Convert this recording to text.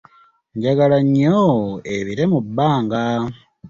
Njagala nnyo ebire mu bbanga.